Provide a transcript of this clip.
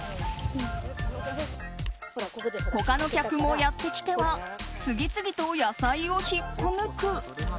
他の客もやってきては次々と野菜を引っこ抜く。